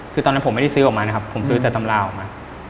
คือตอนนั้นผมไม่ได้ซื้อออกมานะครับผมซื้อแต่ตำราออกมา